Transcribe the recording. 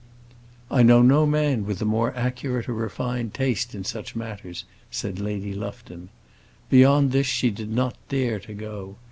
"I know no man with a more accurate or refined taste in such matters," said Lady Lufton. Beyond this she did not dare to go.